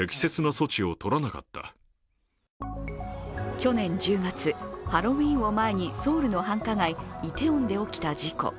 去年１０月、ハロウィーンを前にソウルの繁華街イテウォンで起きた事故。